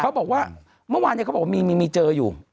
เขาบอกว่าเมื่อวานเขาบอกว่ามีเจออยู่